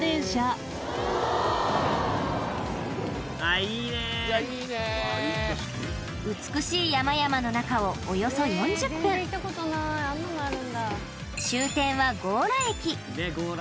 箱根湯本駅からは美しい山々の中をおよそ４０分終点は強羅駅